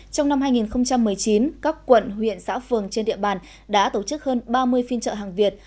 trong năm hai nghìn một mươi chín các quận huyện xã phường trên địa bàn đã tổ chức hơn ba mươi phiên chợ hàng việt